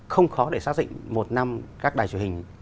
không khó để xác định một năm các đài truyền hình